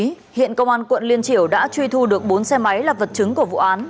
trước đó hiện công an quận liên triểu đã truy thu được bốn xe máy là vật chứng của vụ án